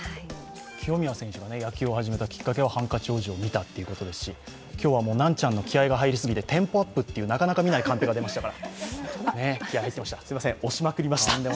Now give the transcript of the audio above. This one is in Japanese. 清宮選手が野球を始めたきっかけはハンカチ王子を見たということですし、今日は南ちゃんの気合いが入りすぎてテンポアップというなかなか見ないカンペが出ましたから。